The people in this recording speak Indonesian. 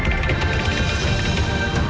saya akan mencari kepuasan